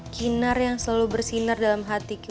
kinar yang selalu bersinar dalam hatiku